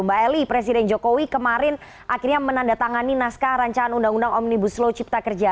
mbak eli presiden jokowi kemarin akhirnya menandatangani naskah rancangan undang undang omnibus law cipta kerja